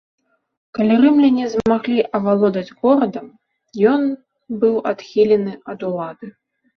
Калі рымляне змаглі авалодаць горадам, ён быў адхілены ад улады.